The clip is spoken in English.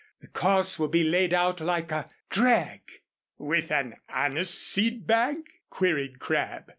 The course will be laid out like a 'drag.'" "With an anise seed bag?" queried Crabb.